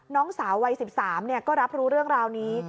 น้องสาววัย๑๓ก็รับรู้เรื่องราวนี้